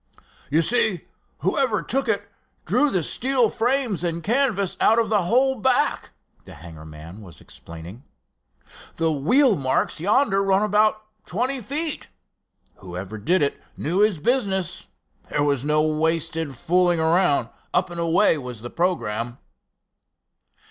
"You see, whoever took it drew the steel frames and canvas out of the whole back," the hangar man was explaining. "The wheel marks yonder run about twenty feet. Whoever did it knew his business. There was no wasted fooling around—up and away was the programme."